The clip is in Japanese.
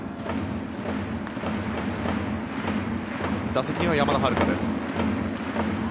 打席には山田遥楓です。